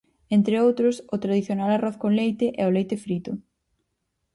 Entre outros, o tradicional Arroz con leite e o leite frito.